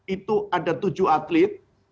itu ada tujuh atlet